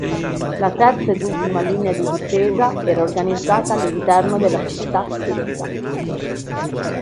La terza e ultima linea di difesa era organizzata all'interno della città stessa.